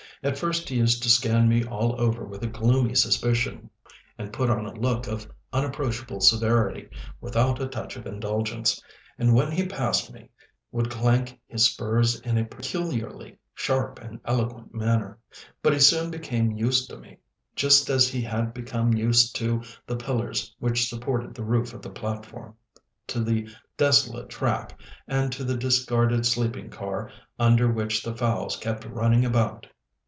At first he used to scan me all over with a gloomy suspicion, and put on a look of unapproachable severity without a touch of indulgence, and when he passed me would clank his spurs in a peculiarly sharp and eloquent manner. But he soon became used to me, just as he had become used to the pillars which supported the roof of the platform, to the desolate track, and to the discarded sleeping car under which the fowls kept running about.